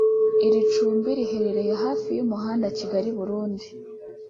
Iri cumbi riherereye hafi y’umuhanda Kigali-Burundi